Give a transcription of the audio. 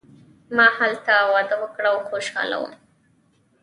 ما هلته واده وکړ او خوشحاله وم.